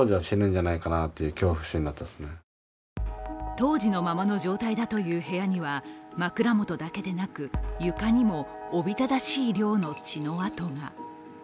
当時のままの状態だという部屋には枕元だけでなく床にもおびただしい量の血の跡が。